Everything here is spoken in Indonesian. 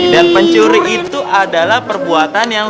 dan pencuri itu adalah perbuatan yang